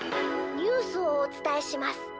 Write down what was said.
「ニュースをおつたえします。